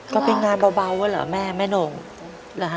ก็เป็นงานเบาะเหรอแม่แม่หน่ง